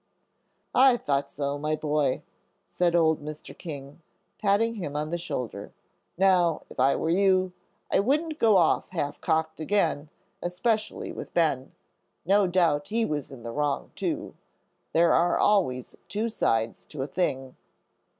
"I thought so, my boy," said old Mr. King, patting him on the shoulder. "Now, if I were you, I wouldn't go off half cocked again, especially with Ben. No doubt he was in the wrong, too. There are always two sides to a thing."